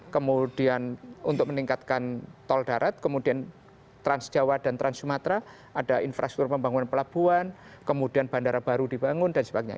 kemudian untuk meningkatkan tol darat kemudian transjawa dan trans sumatera ada infrastruktur pembangunan pelabuhan kemudian bandara baru dibangun dan sebagainya